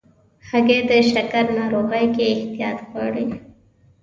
هګۍ د شکر ناروغۍ کې احتیاط غواړي.